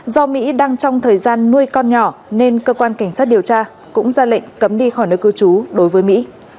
do mỹ đang trong thời gian nuôi con nhỏ nên cơ quan cảnh sát điều tra cũng ra lệnh cấm đi khỏi nơi cư trú đối với mỹ